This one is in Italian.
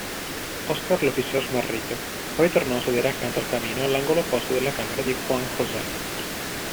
Oscar lo fissò smarrito, poi tornò a sedere accanto al camino all'angolo opposto della camera di Juan José.